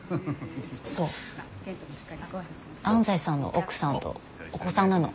そう安西さんの奥さんとお子さんなの。